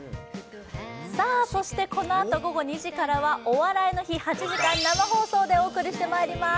そしてこのあと午後２時からは「お笑いの日」８時間生放送でお送りしてまいります。